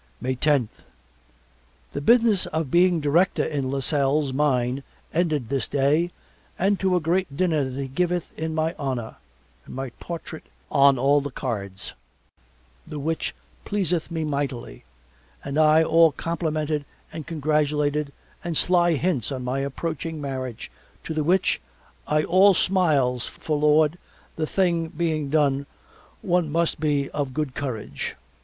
May tenth The business of being director in Lasselle's mine ended this day and to a great dinner that he giveth in my honor and my portrait on all the cards the which pleaseth me mightily and I all complimented and congratulationed and sly hints on my approaching marriage to the which I all smiles for Lord the thing being done one must be of good courage.